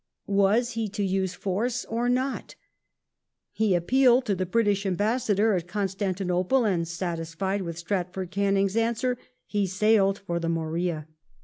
Was he to use force or not? He appealed to the British ambassador at Constantinople and, satisfied with Stratford Canning's answer, he sailed for the Morea.